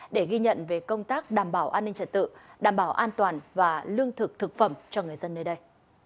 để ghi nhận về công tác đảm bảo an ninh trật tự đảm bảo an toàn và lương thực thực phẩm cho người dân nơi đây